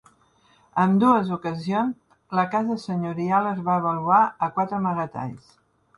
A ambdues ocasions, la casa senyorial es va avaluar a quatre amagatalls.